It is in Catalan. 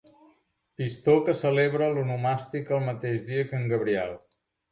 Pistó que celebra l'onomàstica el mateix dia que en Gabriel.